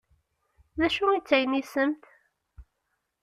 D acu i d taynisemt?